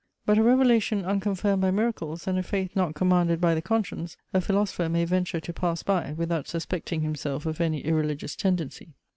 But a revelation unconfirmed by miracles, and a faith not commanded by the conscience, a philosopher may venture to pass by, without suspecting himself of any irreligious tendency.